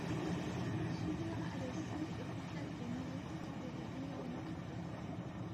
Sumire elle aussi, au contact de Miu, tente de devenir une autre personne.